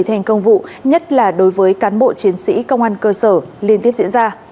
thành công vụ nhất là đối với cán bộ chiến sĩ công an cơ sở liên tiếp diễn ra